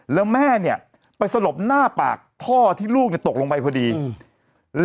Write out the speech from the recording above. แล้วแม่เนี้ยไปสลบหน้าปากท่อที่ลูกเนี้ยตกลงไปพอดีอืม